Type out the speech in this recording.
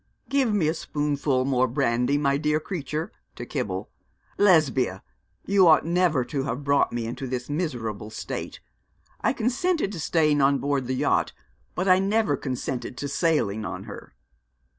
'Give me a spoonful more brandy, my good creature,' to Kibble. 'Lesbia, you ought never to have brought me into this miserable state. I consented to staying on board the yacht; but I never consented to sailing on her.'